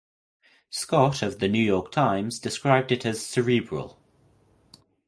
Scott of "The New York Times" described it as "cerebral".